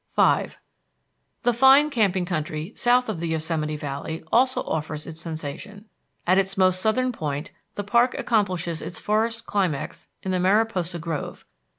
V The fine camping country south of the Yosemite Valley also offers its sensation. At its most southern point, the park accomplishes its forest climax in the Mariposa Grove.